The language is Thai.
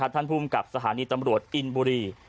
ท่านภูมิกับสถานีตำรวจอินบุรี